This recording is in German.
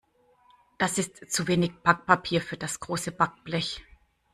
Das ist zu wenig Backpapier für das große Backblech.